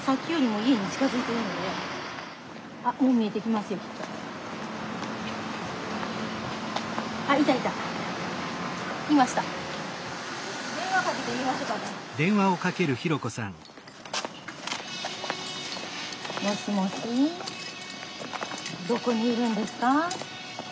もしもしどこにいるんですか？